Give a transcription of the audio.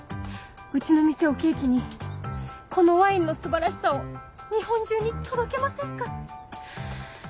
うちの店を契機にこのワインの素晴らしさを日本中に届けませんか！